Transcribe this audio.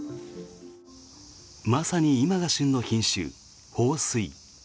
まさに今が旬の品種、豊水。